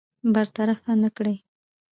برطرف نه کړي.